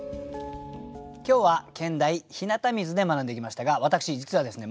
今日は兼題「日向水」で学んできましたが私実はですね